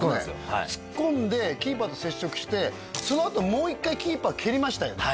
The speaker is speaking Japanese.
はい突っ込んでキーパーと接触してそのあともう一回キーパー蹴りましたよね